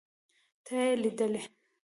ته يې ليدلې.